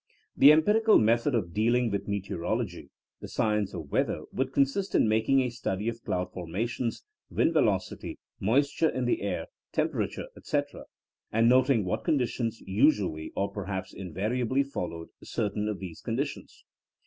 The empirical method of dealing with mete orology, the science of weather, would con sist in making a study of cloud formations, wind velocity, moisture in the air, temperature, etc., and noting what conditions usually or per haps invariably followed certain of these condi tions.